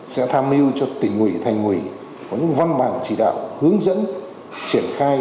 sẽ tham mưu cho tỉnh ủy thành ủy có những văn bản chỉ đạo hướng dẫn triển khai